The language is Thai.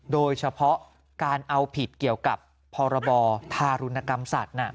โดยเฉพาะการเอาผิดเกี่ยวกับพรบธารุณกรรมสัตว์